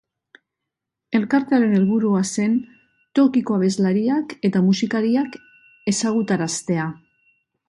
Elkarte haren helburua zen tokiko abeslariak eta musikariak ezagutaraztea.